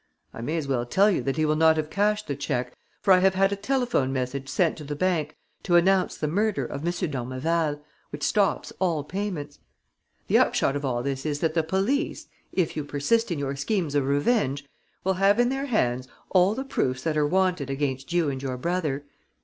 I may as well tell you that he will not have cashed the cheque, for I had a telephone message sent to the bank to announce the murder of M. d'Ormeval, which stops all payments. The upshot of all this is that the police, if you persist in your schemes of revenge, will have in their hands all the proofs that are wanted against you and your brother.